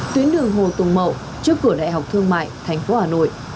tuyến đường hồ tùng mậu trước cửa đại học thương mại thành phố hà nội